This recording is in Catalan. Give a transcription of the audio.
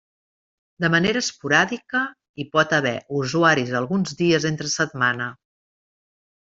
De manera esporàdica, hi pot haver usuaris alguns dies entre setmana.